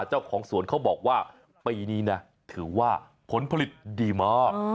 เจ้าของสวนเขาบอกว่าปีนี้นะถือว่าผลผลิตดีมาก